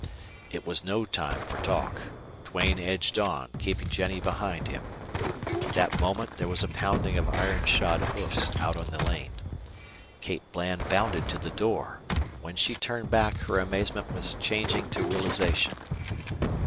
It was no time for talk. Duane edged on, keeping Jennie behind him. At that moment there was a pounding of iron shod hoofs out in the lane. Kate Bland bounded to the door. When she turned back her amazement was changing to realization.